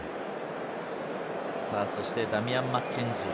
そしてダミアン・マッケンジー。